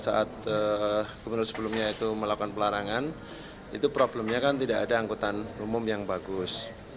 saat gubernur sebelumnya itu melakukan pelarangan itu problemnya kan tidak ada angkutan umum yang bagus